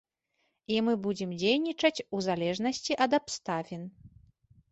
І мы будзем дзейнічаць у залежнасці ад абставін.